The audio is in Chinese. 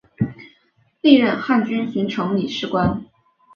历任汉军巡城理事官。